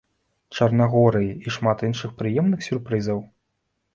Чарнагорыі і шмат іншых прыемных сюрпрызаў.